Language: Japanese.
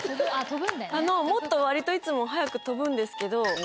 もっと割といつも早く飛ぶんですけど。